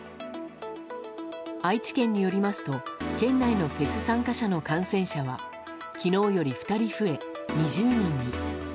愛知県によりますと県内のフェス参加者の感染者は昨日より２人増え、２０人に。